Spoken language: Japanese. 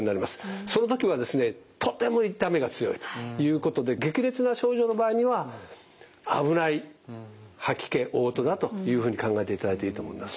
その時はですねとても痛みが強いということで激烈な症状の場合には危ない吐き気・おう吐だというふうに考えていただいていいと思いますよ。